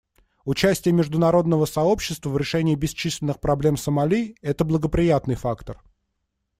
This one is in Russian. Участие международного сообщества в решении бесчисленных проблем Сомали — это благоприятный фактор.